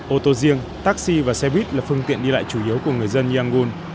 ô tô riêng taxi và xe buýt là phương tiện đi lại chủ yếu của người dân yangun